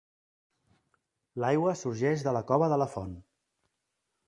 L'aigua sorgeix de la Cova de la Font.